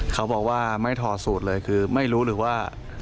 เขาบอกว่าไม่ถอดสูตรเลยคือไม่รู้หรือว่า